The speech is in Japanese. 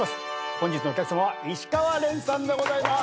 本日のお客さまは石川恋さんでございます！